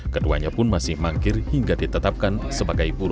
keduanya pun masih mangkir hingga ditetapkan sebagai buruh